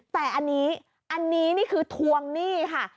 แต่อันนี้อันนี้นี่คือทวงหนี้ค่ะ